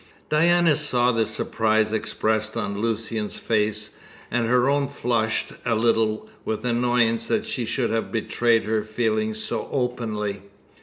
Diana saw the surprise expressed on Lucian's face, and her own flushed a little with annoyance that she should have betrayed her feelings so openly.